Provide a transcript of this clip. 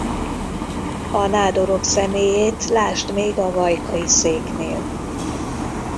A nádorok személyét lásd még a vajkai széknél.